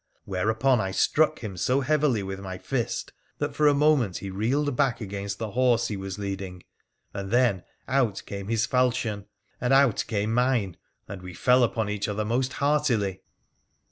Whereupon I struck him so heavily with my fist that, for a minute, he reeled back against the horse he was leading, and then out came his falchion, and out came mine, and we fell upon each other most heartily.